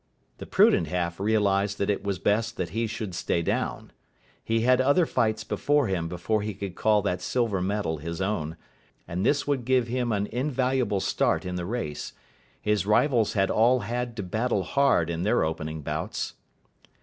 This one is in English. The prudent half realised that it was best that he should stay down. He had other fights before him before he could call that silver medal his own, and this would give him an invaluable start in the race. His rivals had all had to battle hard in their opening bouts.